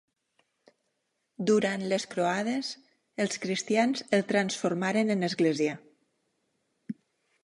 Durant les croades, els cristians el transformaren en església.